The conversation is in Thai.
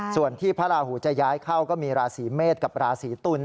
ส่วนที่พระราหูจะย้ายเข้าก็มีราศีเมษกับราศีตุล